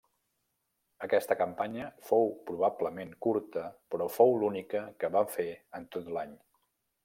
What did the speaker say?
Aquesta campanya fou probablement curta però fou l'única que va fer en tot l'any.